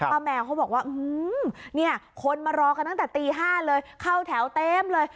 แมวเขาบอกว่าเนี่ยคนมารอกันตั้งแต่ตี๕เลยเข้าแถวเต็มเลย